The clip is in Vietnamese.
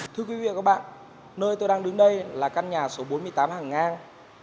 thưa quý vị và các bạn nơi tôi đang đứng đây là căn nhà số bốn mươi tám hàng ngang